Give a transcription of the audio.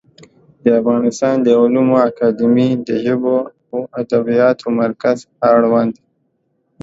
د افغانستان د علومو اکاډمي د ژبو او ادبیاتو مرکز اړوند